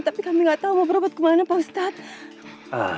tapi kami nggak tahu mau berobat kemana pak ustadz